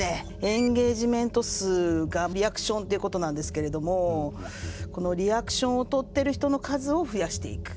エンゲージメント数がリアクションっていうことなんですけれどもこのリアクションをとってる人の数を増やしていく。